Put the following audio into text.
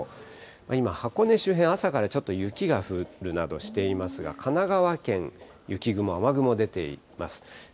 今、箱根周辺、朝からちょっと雪が降るなどしていますが、神奈川県、雪雲、雨雲、出ています。